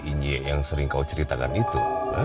ini yang sering kau ceritakan itu